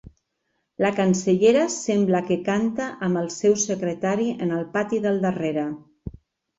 La cancellera sembla que canta amb el seu secretari en el pati del darrere.